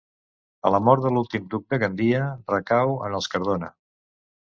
A la mort de l'últim duc de Gandia recau en els Cardona.